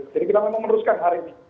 jadi kita memang meneruskan hari ini